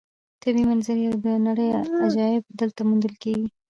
طبیعي منظرې او د نړۍ عجایب دلته موندل کېږي.